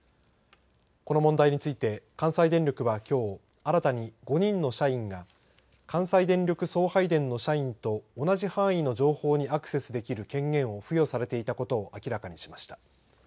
この問題について関西電力は、きょう新たに５人の社員が関西電力送配電の社員と同じ範囲の情報にアクセスできる権限を付与されていたことを明らかにしました。